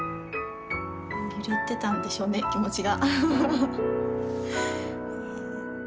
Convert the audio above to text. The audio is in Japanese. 揺れてたんでしょうね気持ちが。